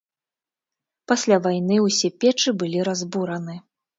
Пасля вайны ўсе печы былі разбураны.